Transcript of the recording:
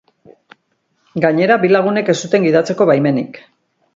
Gainera, bi lagunek ez zuten gidatzeko baimenik.